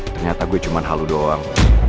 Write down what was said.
ternyata gue cuma halu doang